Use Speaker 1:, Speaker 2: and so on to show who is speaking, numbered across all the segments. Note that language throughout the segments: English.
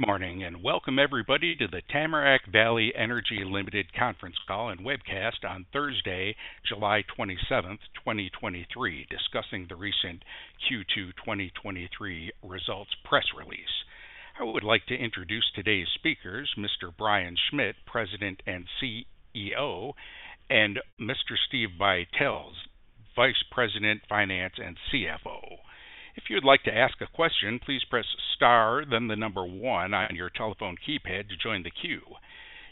Speaker 1: Good morning, welcome everybody to the Tamarack Vall ey Energy conference call and webcast on Thursday, July 27, 2023, discussing the recent Q2 2023 results press release. I would like to introduce today's speakers, Mr. Brian Schmidt, President and CEO, and Mr. Steve Buytels, Vice President, Finance and CFO. If you'd like to ask a question, please press Star, then the number One on your telephone keypad to join the queue.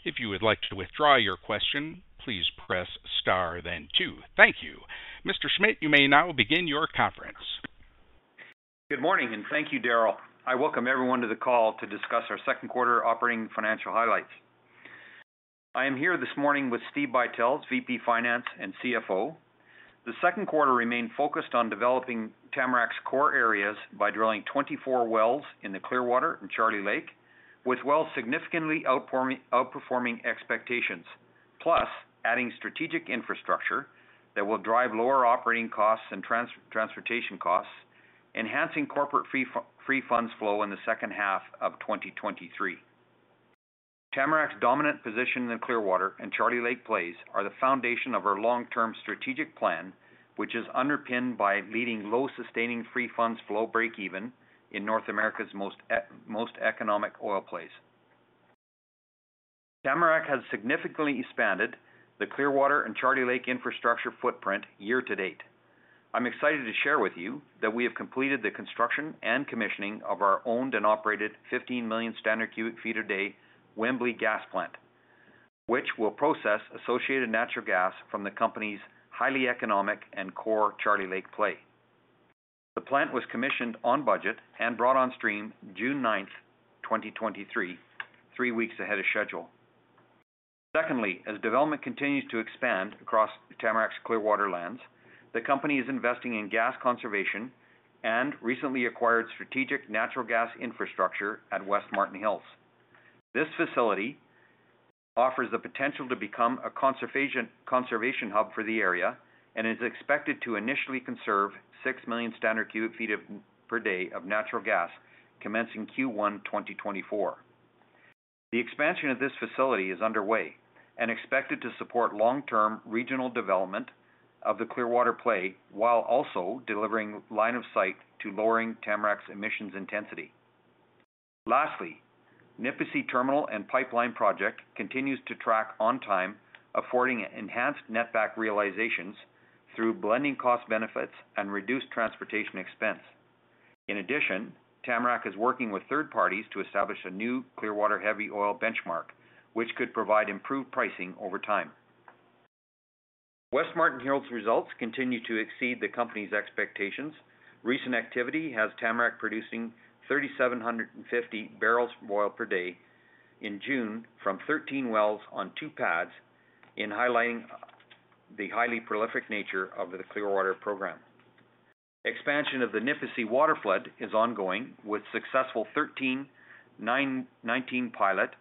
Speaker 1: If you would like to withdraw your question, please press Star, then Two. Thank you. Mr. Schmidt, you may now begin your conference.
Speaker 2: Good morning. Thank you, Daryl. I welcome everyone to the call to discuss our Q2 operating financial highlights. I am here this morning with Steve Buytels, VP Finance and CFO. The Q2 remained focused on developing Tamarack's core areas by drilling 24 wells in the Clearwater and Charlie Lake, with wells significantly outperforming expectations, plus adding strategic infrastructure that will drive lower operating costs and transportation costs, enhancing corporate free funds flow in the second half of 2023. Tamarack's dominant position in the Clearwater and Charlie Lake plays are the foundation of our long-term strategic plan, which is underpinned by leading low sustaining free funds flow breakeven in North America's most economic oil plays. Tamarack has significantly expanded the Clearwater and Charlie Lake infrastructure footprint year to date. I'm excited to share with you that we have completed the construction and commissioning of our owned and operated 15 million standard cubic feet a day Wembley gas plant, which will process associated natural gas from the company's highly economic and core Charlie Lake play. The plant was commissioned on budget and brought on stream June 9th, 2023, three weeks ahead of schedule. Secondly, as development continues to expand across Tamarack's Clearwater lands, the company is investing in gas conservation and recently acquired strategic natural gas infrastructure at West Martin Hills. This facility offers the potential to become a conservation hub for the area and is expected to initially conserve 6 million standard cubic feet per day of natural gas, commencing Q1 2024. The expansion of this facility is underway and expected to support long-term regional development of the Clearwater Play, while also delivering line of sight to lowering Tamarack's emissions intensity. Lastly, Nipisi Terminal and Pipeline Project continues to track on time, affording enhanced netback realizations through blending cost benefits and reduced transportation expense. In addition, Tamarack is working with third parties to establish a new Clearwater heavy oil benchmark, which could provide improved pricing over time. West Martin Hills results continue to exceed the company's expectations. Recent activity has Tamarack producing 3,750 barrels of oil per day in June, from 13 wells on 2 pads, in highlighting the highly prolific nature of the Clearwater program. Expansion of the Nipisi waterflood is ongoing, with successful 13, 9-19 pilot...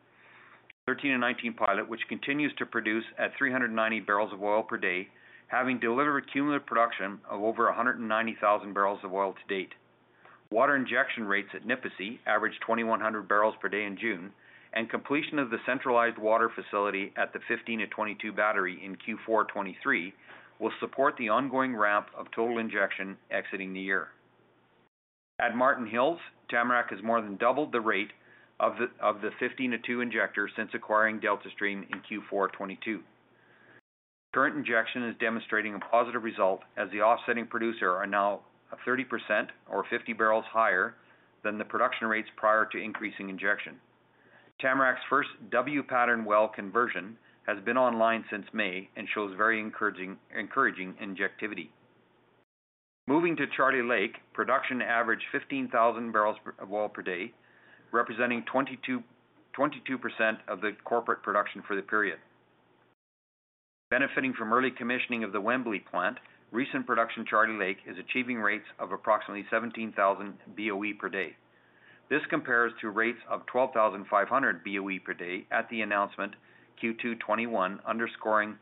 Speaker 2: 13 and 19 pilot, which continues to produce at 390 barrels of oil per day, having delivered cumulative production of over 190,000 barrels of oil to date. Water injection rates at Nipisi averaged 2,100 barrels per day in June. Completion of the centralized water facility at the 15 and 22 battery in Q4 2023 will support the ongoing ramp of total injection exiting the year. At Martin Hills, Tamarack has more than doubled the rate of the 15 to 2 injectors since acquiring Deltastream in Q4 2022. Current injection is demonstrating a positive result as the offsetting producer are now at 30% or 50 barrels higher than the production rates prior to increasing injection. Tamarack's first W pattern well conversion has been online since May and shows very encouraging injectivity. Moving to Charlie Lake, production averaged 15,000 barrels of oil per day, representing 22% of the corporate production for the period. Benefiting from early commissioning of the Wembley plant, recent production, Charlie Lake, is achieving rates of approximately 17,000 BOE per day. This compares to rates of 12,500 BOE per day at the announcement Q2 2021, underscoring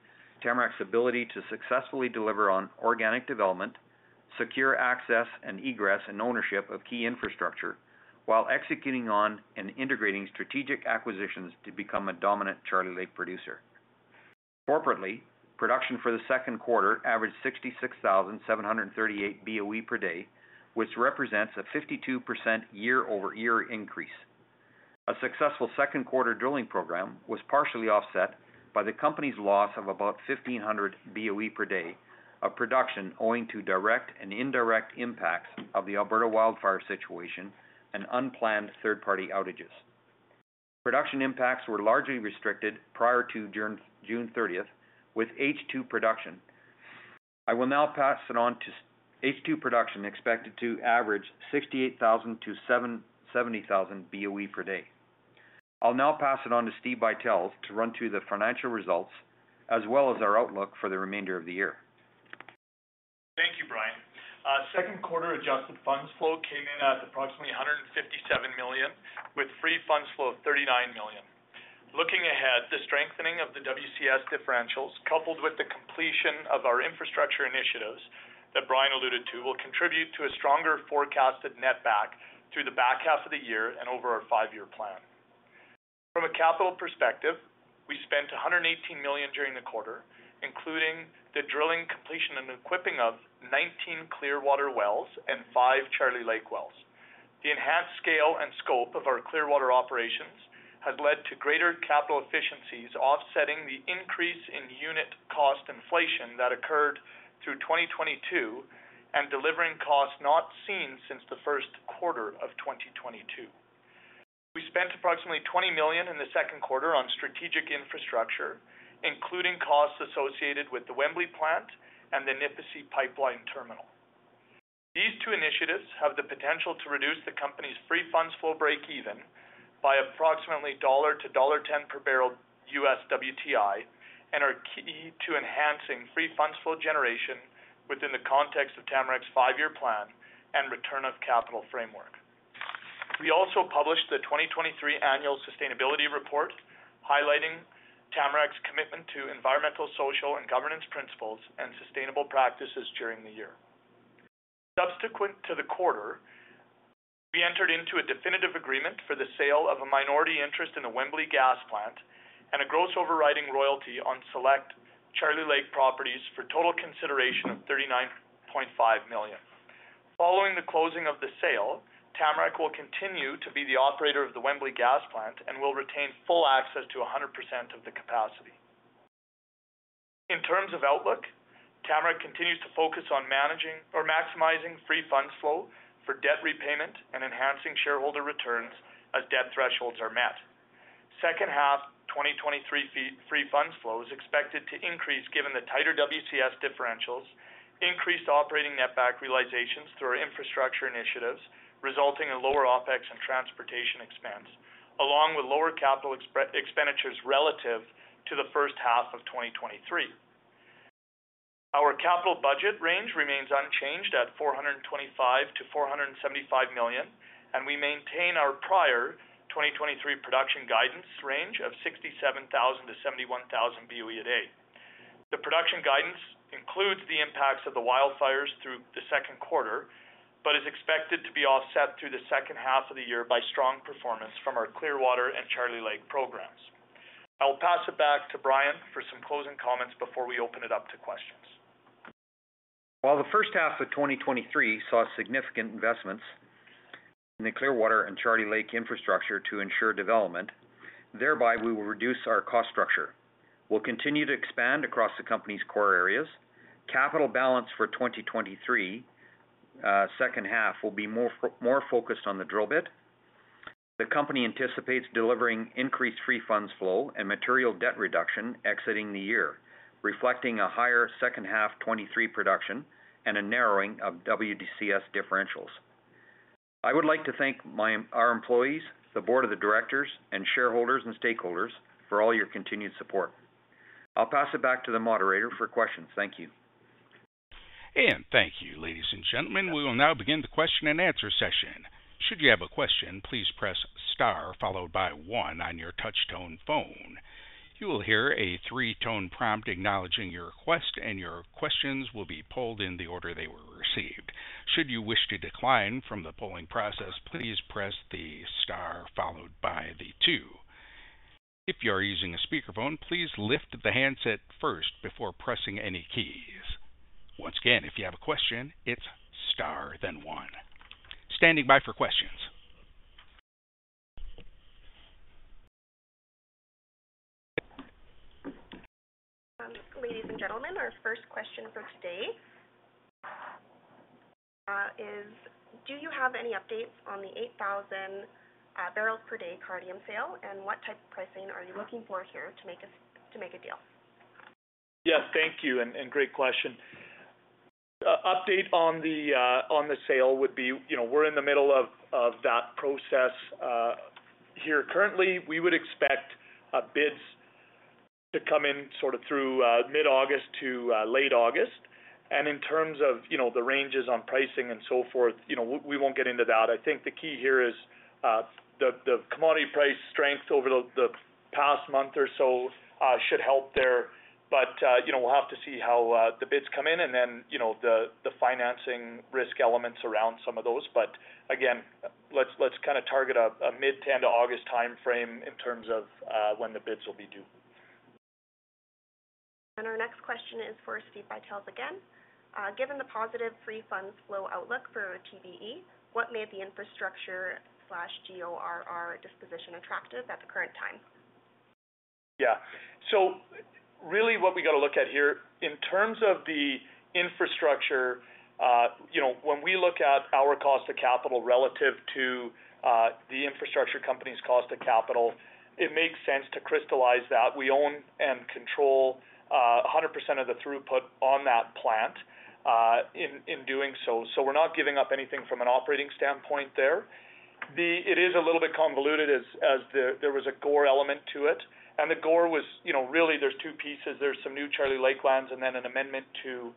Speaker 2: Tamarack's ability to successfully deliver on organic development, secure access and egress and ownership of key infrastructure, while executing on and integrating strategic acquisitions to become a dominant Charlie Lake producer. Corporately, production for the Q2 averaged 66,738 BOE per day, which represents a 52% year-over-year increase. A successful Q2 drilling program was partially offset by the company's loss of about 1,500 BOE per day of production, owing to direct and indirect impacts of the Alberta wildfire situation and unplanned third-party outages. Production impacts were largely restricted prior to June 30th, with H2 production expected to average 68,000 BOE-70,000 BOE per day. I'll now pass it on to Steve Buytels to run through the financial results, as well as our outlook for the remainder of the year.
Speaker 3: Thank you, Brian. Q2 Adjusted Funds Flow came in at approximately 157 million, with free funds flow of 39 million. Looking ahead strengthening of the WCS differentials, coupled with the completion of our infrastructure initiatives that Brian alluded to, will contribute to a stronger forecasted netback through the back half of the year and over our 5-year plan. From a capital perspective, we spent 118 million during the quarter, including the drilling, completion, and equipping of 19 Clearwater wells and 5 Charlie Lake wells. The enhanced scale and scope of our Clearwater operations has led to greater capital efficiencies, offsetting the increase in unit cost inflation that occurred through 2022 and delivering costs not seen since the Q1 of 2022. We spent approximately 20 million in the Q2 on strategic infrastructure, including costs associated with the Wembley plant and the Nipisi pipeline terminal. These two initiatives have the potential to reduce the company's free funds flow breakeven by approximately $1-$1.10 per barrel US WTI, and are key to enhancing free funds flow generation within the context of Tamarack's five-year plan and return of capital framework. We also published the 2023 Annual Sustainability Report, highlighting Tamarack's commitment to environmental, social, and governance principles and sustainable practices during the year. Subsequent to the quarter, we entered into a definitive agreement for the sale of a minority interest in the Wembley gas plant and a gross overriding royalty on select Charlie Lake properties for a total consideration of $39.5 million. Following the closing of the sale, Tamarack will continue to be the operator of the Wembley gas plant and will retain full access to 100% of the capacity. In terms of outlook, Tamarack continues to focus on managing or maximizing free funds flow for debt repayment and enhancing shareholder returns as debt thresholds are met. Second half 2023 free funds flow is expected to increase given the tighter WCS differentials, increased operating netback realizations through our infrastructure initiatives, resulting in lower OpEx and transportation expense, along with lower capital expenditures relative to the first half of 2023. Our capital budget range remains unchanged at 425 million-475 million. We maintain our prior 2023 production guidance range of 67,000 BOE -71,000 BOE a day. The production guidance includes the impacts of the wildfires through the Q2, is expected to be offset through the second half of the year by strong performance from our Clearwater and Charlie Lake programs. I will pass it back to Brian for some closing comments before we open it up to questions.
Speaker 2: While the first half of 2023 saw significant investments in the Clearwater and Charlie Lake infrastructure to ensure development, thereby, we will reduce our cost structure. We'll continue to expand across the company's core areas. Capital balance for 2023, second half will be more focused on the drill bit. The company anticipates delivering increased free funds flow and material debt reduction exiting the year, reflecting a higher second half 2023 production and a narrowing of WCS differentials. I would like to thank our employees, the board of the directors, and shareholders and stakeholders for all your continued support. I'll pass it back to the moderator for questions. Thank you.
Speaker 1: Thank you, ladies and gentlemen. We will now begin the question and answer session. Should you have a question, please press star followed by 1 on your touchtone phone. You will hear a three-tone prompt acknowledging your request, and your questions will be polled in the order they were received. Should you wish to decline from the polling process, please press the star followed by the two. If you are using a speakerphone, please lift the handset first before pressing any keys. Once again, if you have a question, it's star, then one. Standing by for questions.
Speaker 4: Ladies and gentlemen, our first question for today, is: Do you have any updates on the 8,000 barrels per day Cardium sale, and what type of pricing are you looking for here to make a deal?
Speaker 3: Yes, thank you, and great question. Update on the sale would be, you know, we're in the middle of that process here. Currently, we would expect bids to come in sort of through mid-August to late August. In terms of, you know, the ranges on pricing and so forth, you know, we won't get into that. I think the key here is the commodity price strength over the past month or so should help there. You know, we'll have to see how the bids come in and then, you know, the financing risk elements around some of those. Again, let's kind of target a mid-end of August timeframe in terms of when the bids will be due.
Speaker 4: Our next question is for Steve Buytels again. Given the positive free funds flow outlook for TVE, what made the infrastructure/GORR disposition attractive at the current time?
Speaker 3: Yeah. What we got to look at here in terms of the infrastructure, you know, when we look at our cost of capital relative to the infrastructure company's cost of capital, it makes sense to crystallize that. We own and control 100% of the throughput on that plant in doing so. We're not giving up anything from an operating standpoint there. It is a little bit convoluted as there was a GORR element to it, and the GORR was, you know, really, there's two pieces. There's some new Charlie Lake lands, and then an amendment to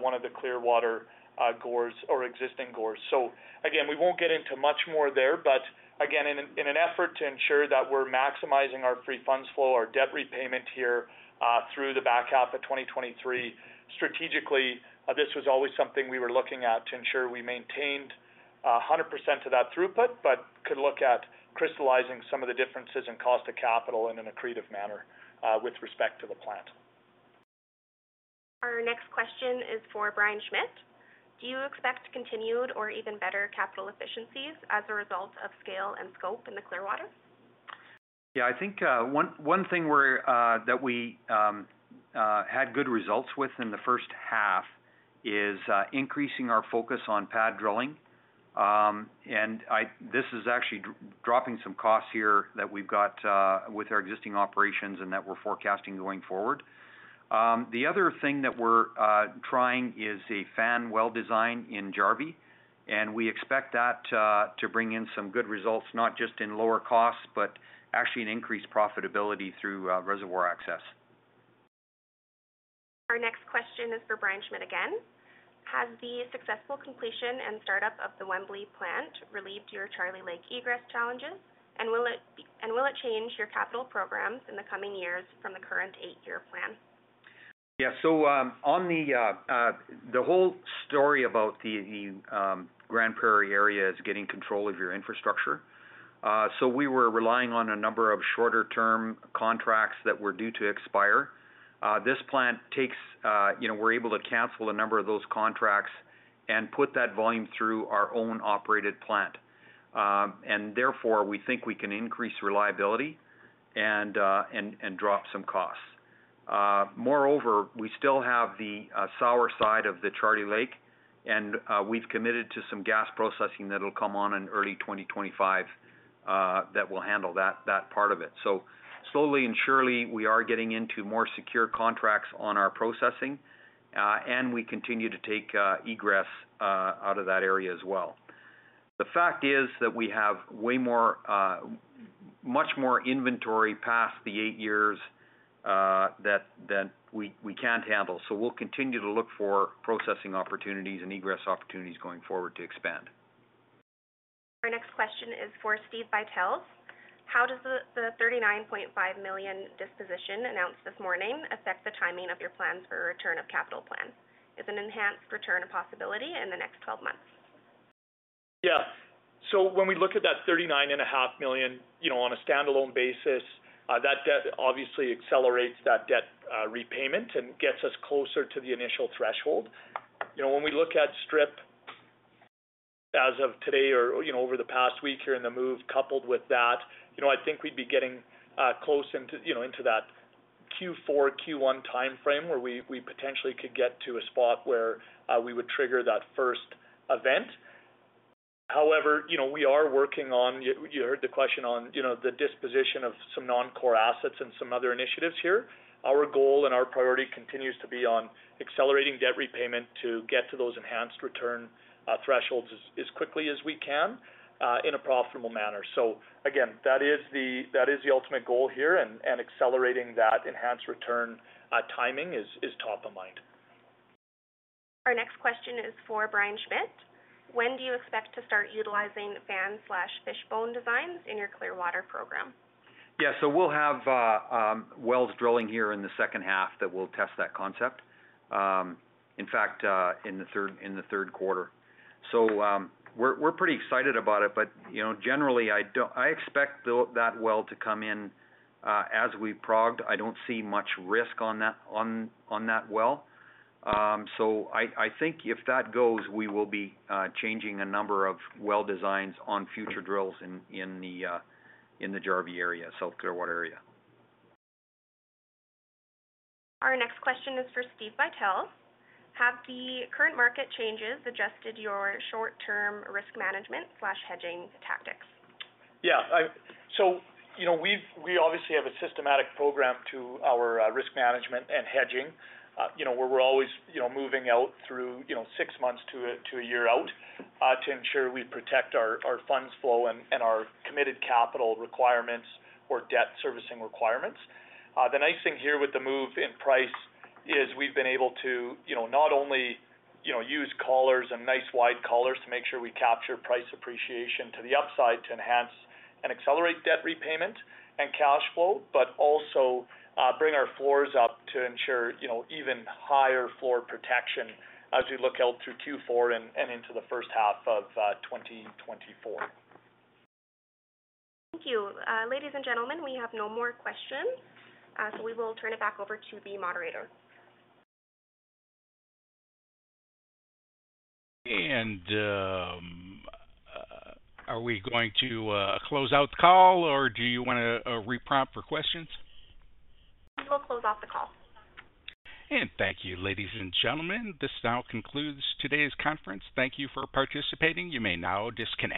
Speaker 3: one of the Clearwater GORRs or existing GORRs. Again, we won't get into much more there, but. Again, in an effort to ensure that we're maximizing our free funds flow, our debt repayment here, through the back half of 2023. Strategically, this was always something we were looking at to ensure we maintained, 100% of that throughput, but could look at crystallizing some of the differences in cost of capital in an accretive manner, with respect to the plant.
Speaker 4: Our next question is for Brian Schmidt. Do you expect continued or even better capital efficiencies as a result of scale and scope in the Clearwater?
Speaker 2: Yeah, I think, that we had good results with in the first half is increasing our focus on pad drilling. This is actually dropping some costs here that we've got with our existing operations and that we're forecasting going forward. The other thing that we're trying is a fan well design in Jarvie, and we expect that to bring in some good results, not just in lower costs, but actually an increased profitability through reservoir access.
Speaker 4: Our next question is for Brian Schmidt again. Has the successful completion and startup of the Wembley plant relieved your Charlie Lake egress challenges? Will it change your capital programs in the coming years from the current 8-year plan?
Speaker 2: Yeah. On the, the whole story about the, the Grande Prairie area is getting control of your infrastructure. We were relying on a number of shorter-term contracts that were due to expire. This plant takes. You know, we're able to cancel a number of those contracts and put that volume through our own operated plant. Therefore, we think we can increase reliability and drop some costs. Moreover, we still have the sour side of the Charlie Lake, and we've committed to some gas processing that'll come on in early 2025 that will handle that part of it. Slowly and surely, we are getting into more secure contracts on our processing, and we continue to take egress out of that area as well. The fact is that we have way more, much more inventory past the eight years, that we can't handle. We'll continue to look for processing opportunities and egress opportunities going forward to expand.
Speaker 4: Our next question is for Steve Buytels. How does the 39.5 million disposition announced this morning affect the timing of your plans for return of capital plan? Is an enhanced return a possibility in the next 12 months?
Speaker 3: When we look at that thirty-nine and a half million, you know, on a standalone basis, that debt obviously accelerates that debt repayment and gets us closer to the initial threshold. You know, when we look at strip as of today or, you know, over the past week here in the move, coupled with that, you know, I think we'd be getting close into, you know, into that Q4, Q1 time frame, where we potentially could get to a spot where we would trigger that first event. However, you know, we are working on... You heard the question on, you know, the disposition of some non-core assets and some other initiatives here. Our goal and our priority continues to be on accelerating debt repayment to get to those enhanced return thresholds as quickly as we can in a profitable manner. Again, that is the ultimate goal here, and accelerating that enhanced return timing is top of mind.
Speaker 4: Our next question is for Brian Schmidt. When do you expect to start utilizing fan/fishbone designs in your Clearwater program?
Speaker 2: We'll have wells drilling here in the second half that will test that concept. In fact, in the Q3. We're pretty excited about it, but, you know, generally, I expect that well to come in as we progged. I don't see much risk on that well. I think if that goes, we will be changing a number of well designs on future drills in the Jarvie area, South Clearwater area.
Speaker 4: Our next question is for Steve Buytels. Have the current market changes adjusted your short-term risk management/hedging tactics?
Speaker 3: We obviously have a systematic program to our risk management and hedging. We're always moving out through 6 months to 1 year out to ensure we protect our funds flow and our committed capital requirements or debt servicing requirements. The nice thing here with the move in price is we've been able to not only use collars and nice wide collars to make sure we capture price appreciation to the upside to enhance and accelerate debt repayment and cash flow. Also, bring our floors up to ensure even higher floor protection as we look out through Q4 and into the first half of 2024.
Speaker 4: Thank you. Ladies and gentlemen, we have no more questions, so we will turn it back over to the moderator.
Speaker 1: Are we going to close out the call, or do you want to reprompt for questions?
Speaker 4: We'll close out the call.
Speaker 1: Thank you, ladies and gentlemen. This now concludes today's conference. Thank you for participating. You may now disconnect.